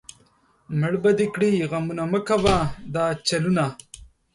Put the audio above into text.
مړ به دې کړي غمونه، مۀ کوه دا چلونه